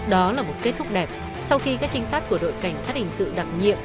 đó là một kết thúc đẹp sau khi các trinh sát của đội cảnh sát hình sự đặc nhiệm